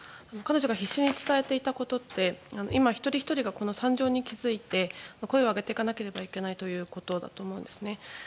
彼女が必死に伝えていたことは今、一人ひとりがこの惨状に気づいて声を上げていかなければいけないということだと思うんです。